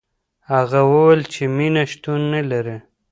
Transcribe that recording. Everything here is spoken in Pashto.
هغه وویل چي مینه شتون نه لري.